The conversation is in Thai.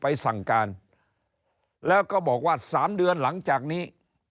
สั่งการแล้วก็บอกว่า๓เดือนหลังจากนี้